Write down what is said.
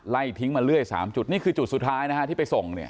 ไล่ทิ้งมาเลื่อย๓จุดนี่คือจุดสุดท้ายที่ไปส่ง